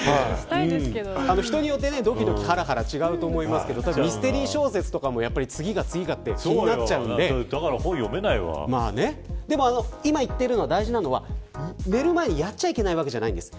人によって、どきどきはらはら、違うと思いますがミステリー小説とかも次が次がって気になっちゃうのででも大事なのは寝る前にやっちゃいけないわけじゃないんです。